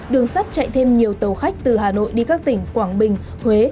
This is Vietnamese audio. đường sắt chạy thêm nhiều tàu khách từ hà nội đi các tỉnh quảng bình huế